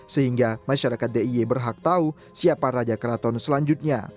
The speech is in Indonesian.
sehingga masyarakat d i y berhak tahu siapa raja keraton selanjutnya